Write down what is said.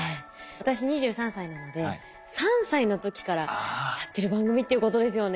私２３歳なので３歳の時からやってる番組っていうことですよね。